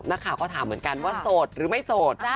นักข่าวก็ถามเหมือนกันว่าโสดหรือไม่โสด